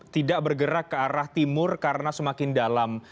tidak bergerak ke arah timur karena semakin dalam